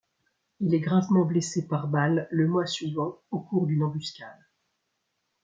Il est gravement blessé par balles le mois suivant, au cours d'une embuscade.